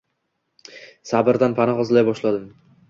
Sabrdan panoh izlay boshladim